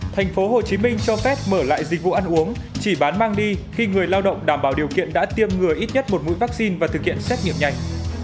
thành phố hồ chí minh cho phép mở lại dịch vụ ăn uống chỉ bán mang đi khi người lao động đảm bảo điều kiện đã tiêm ngừa ít nhất một mũi vaccine và thực hiện xét nghiệm nhanh